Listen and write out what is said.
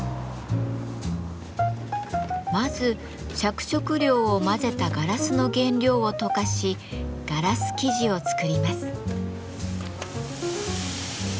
まず着色料を混ぜたガラスの原料を溶かしガラス素地を作ります。